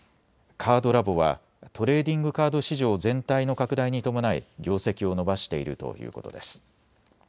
カードラボはトレーディングカード市場全体の拡大に伴い業績を伸ばしているということです。